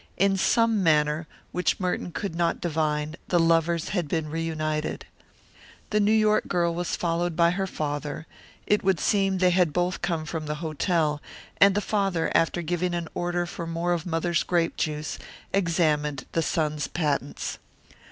In some manner, which Merton could not divine, the lovers had been reunited. The New York girl was followed by her father it would seem they had both come from the hotel and the father, after giving an order for more of Mother's grape juice, examined the son's patents.